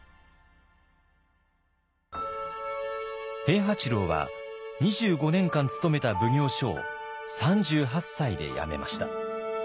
平八郎は２５年間勤めた奉行所を３８歳で辞めました。